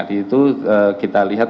nah itu kita lihat